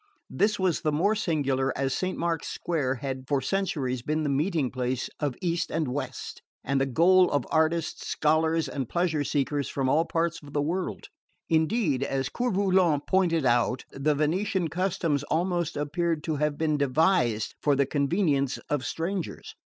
This was the more singular as Saint Mark's square had for centuries been the meeting place of East and West, and the goal of artists, scholars and pleasure seekers from all parts of the world. Indeed, as Coeur Volant pointed out, the Venetian customs almost appeared to have been devised for the convenience of strangers.